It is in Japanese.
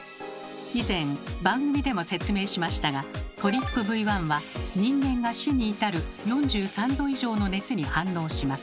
以前番組でも説明しましたがＴＲＰＶ１は人間が死に至る４３℃以上の熱に反応します。